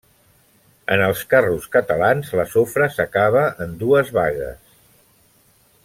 En els carros catalans la sofra s'acaba en dues bagues.